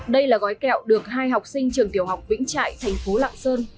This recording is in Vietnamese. đây là gói kẹo được hai học sinh trường tiểu học vĩnh trại thành phố lạng sơn